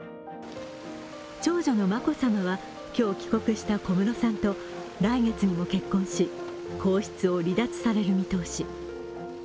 長女の眞子さまは今日帰国した小室さんと来月にも結婚し皇室を離脱される見通し。